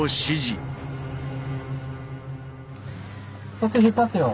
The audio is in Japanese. そっち引っ張ってよ。